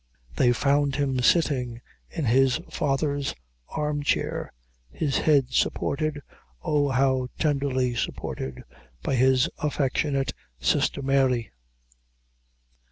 They found him sitting in his father's arm chair, his head supported oh, how tenderly supported! by his affectionate sister, Mary.